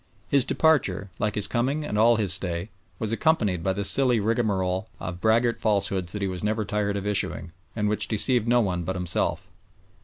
His departure, like his coming and all his stay, was accompanied by the silly rigmarole of braggart falsehoods he was never tired of issuing, and which deceived no one but himself.